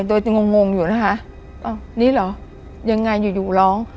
โดยจะงงอยู่นะคะอ้าวนี่เหรอยังไงอยู่อยู่ร้อง